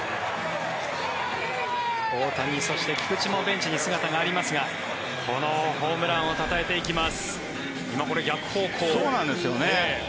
大谷、そして菊池もベンチに姿がありますがこのホームランをたたえていきます。